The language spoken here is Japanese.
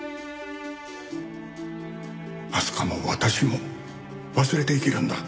明日香も私も忘れて生きるんだ。